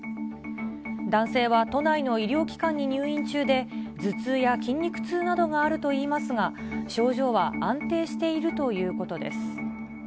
男性は都内の医療機関に入院中で、頭痛や筋肉痛などがあるといいますが、症状は安定しているということです。